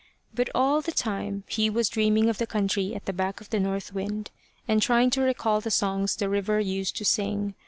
But all the time, he was dreaming of the country at the back of the north wind, and trying to recall the songs the river used to sing.